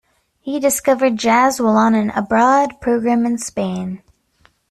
He discovered jazz while on an abroad program in Spain.